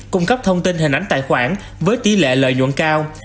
cung cấp thông tin hình ảnh tài khoản với tỷ lệ lợi nhuận cao